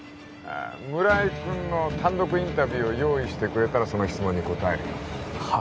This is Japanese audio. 村井君の単独インタビューを用意してくれたらその質問に答えるよはッ？